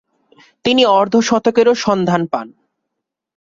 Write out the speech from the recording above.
তিনি অর্ধ-শতকেরও সন্ধান পান।